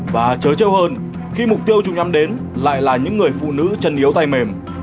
và chớ hơn khi mục tiêu chúng nhắm đến lại là những người phụ nữ chân yếu tay mềm